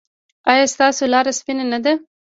ایا ستاسو لاره سپینه نه ده؟